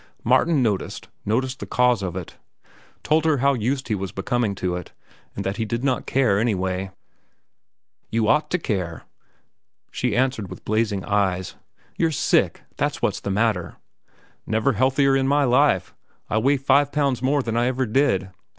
Martin noticed, noticed the cause of it, told her how used he was becoming to it and that he did not care anyway. "You ought to care," she answered with blazing eyes. "You're sick. That's what's the matter." "Never healthier in my life. I weigh five pounds more than I ever did."